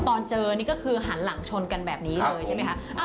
ตอนเจอนี่ก็คือหันหลังชนกันแบบนี้เลยใช่ไหมคะ